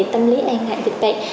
tâm lý an ngại dịch bệnh